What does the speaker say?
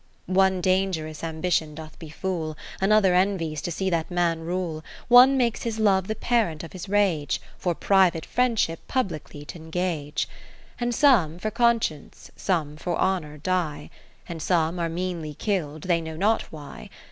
One dangerous Ambition doth befool. Another envies to see that man rule : One makes his love the parent of his rage. For private friendship publicly t' engage : And some for Conscience, some for Honour die; And some are meanly kill'd they know not why.